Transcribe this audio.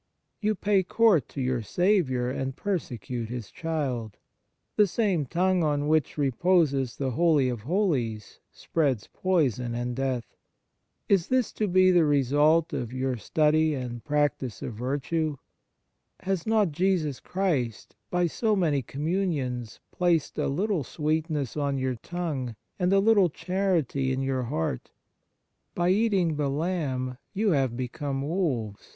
You pay court to your Saviour and persecute His child ! The same tongue on which reposes the Holy of Holies spreads poison and death ! Is this to be the result of 51 E 2 Fraternal Charity your study and practice of virtue ? Has not Jesus Christ, by so many Communions, placed a little sweetness on your tongue and a little charity in your heart ? By eating the Lamb have you become wolves